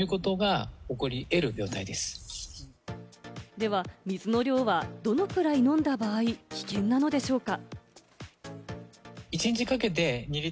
では、水の量はどのくらい飲んだ場合、危険なのでしょうか？